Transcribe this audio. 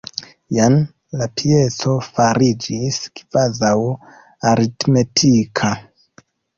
Jen la pieco fariĝis kvazaŭ 'aritmetika'.